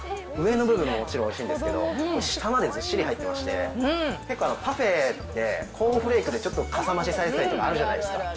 上の部分ももちろんおいしいんですけど、下までずっしり入ってまして、結構、パフェってコーンフレークでちょっと、かさ増しされてたりとかあるじゃないですか。